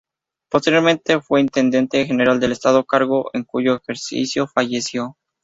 Posteriormente fue Intendente General del Estado, cargo en cuyo ejercicio falleció.